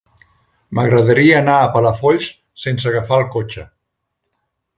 M'agradaria anar a Palafolls sense agafar el cotxe.